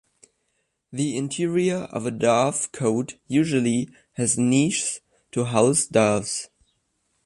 The interior of a dovecote usually has niches to house doves.